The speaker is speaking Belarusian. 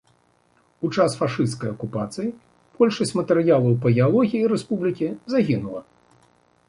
У час фашысцкай акупацыі большасць матэрыялаў па геалогіі рэспублікі загінула.